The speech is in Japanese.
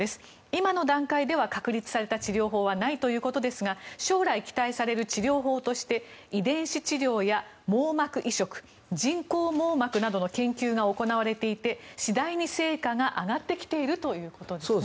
今の段階では確立された治療法はないということですが将来期待される治療法として遺伝子治療や網膜移植人工網膜などの研究が行われていて次第に成果が上がってきているということです。